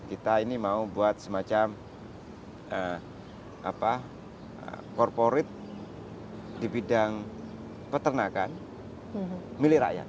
kita ini mau buat semacam corporate di bidang peternakan milirakyat